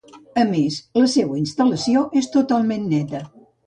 A més, la seua instal·lació és totalment neta.